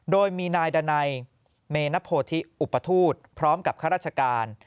โดยมีนายดันัยเมนโพธิอุปทูตพร้อมกับข้าราชการ